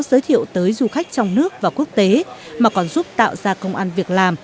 giới thiệu tới du khách trong nước và quốc tế mà còn giúp tạo ra công an việc làm